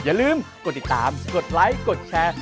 อย่าลืมกดติดตามกดไลค์กดแชร์